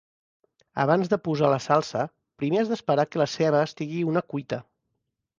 Abans de posar la salsa, primer has d'esperar que la ceba estigui una cuita.